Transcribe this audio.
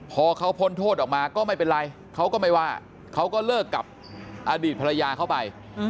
พอเขาพ้นโทษออกมาก็ไม่เป็นไรเขาก็ไม่ว่าเขาก็เลิกกับอดีตภรรยาเขาไป